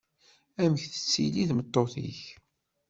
Amek tettili tmeṭṭut-ik?